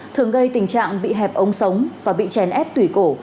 thường gây tình trạng bị hẹp ống sống và bị chèn ép tủy cổ